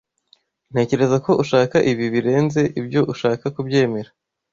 Ntekereza ko ushaka ibi birenze ibyo ushaka kubyemera.